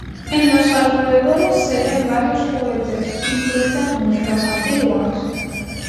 En los alrededores se ven varios juguetes, incluidas muñecas antiguas.